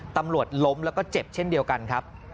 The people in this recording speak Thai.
ตำรวจล้มแล้วก็เจ็บเช่นเดียวกันครับ